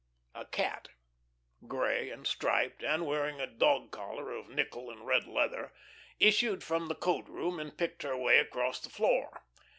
A cat, grey and striped, and wearing a dog collar of nickel and red leather, issued from the coat room and picked her way across the floor.